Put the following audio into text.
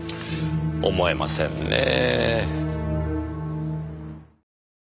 思えませんねぇ。